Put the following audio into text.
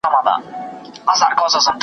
وروستۍ خبره دې وکړه